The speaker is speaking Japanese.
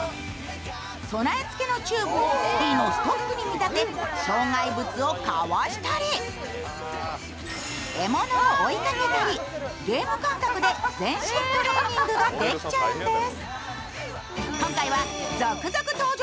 備え付けのチューブをスキーのストックに見立て障害物をかわしたり獲物を追いかけたり、ゲーム感覚で全身トレーニングができちゃうんです。